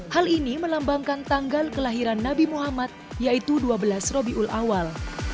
hal ini melambangkan tanggal kelahiran nabi muhammad yaitu dua belas robiul awal